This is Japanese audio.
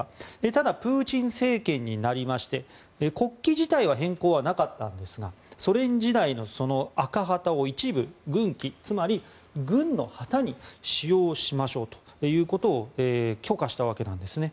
ただ、プーチン政権になりまして国旗自体は変更はなかったんですがソ連時代の赤旗を一部、軍旗つまり軍の旗に使用しましょうということを許可したわけなんですね。